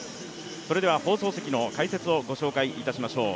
それでは放送席の解説をご紹介しましょう。